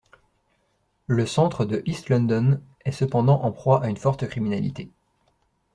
Le centre de East London est cependant en proie à une forte criminalité.